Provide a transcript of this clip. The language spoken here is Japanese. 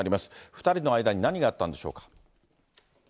２人の間に何があったんでしょうか。